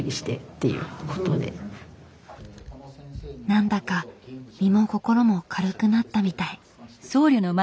何だか身も心も軽くなったみたい。